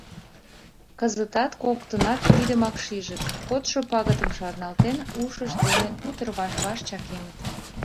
Кызытат коктынат тидымак шижыт, кодшо пагытым шарналтен, ушышт дене утыр ваш-ваш чакемыт.